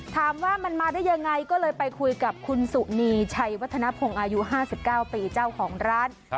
ถามว่ามันมาได้ยังไงก็เลยไปคุยกับคุณสุนีชัยวัฒนภงอายุ๕๙ปีเจ้าของร้าน